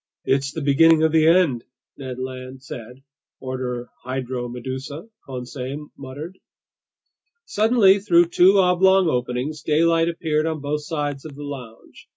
"It's the beginning of the end!" Ned Land said. "... order Hydromedusa," Conseil muttered. Suddenly, through two oblong openings, daylight appeared on both sides of the lounge.